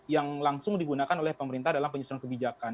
yang langsung digunakan oleh pemerintah dalam penyusunan kebijakan